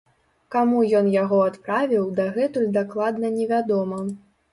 Каму ён яго адправіў, дагэтуль дакладна невядома.